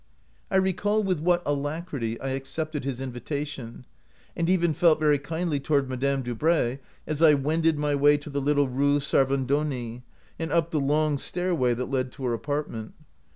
I recall with what alacrity I accepted his invitation, and even felt very kindly toward Madame Dubray, as I wended my way to the little Rue Servandoni and up the long stair way that led to her apartment.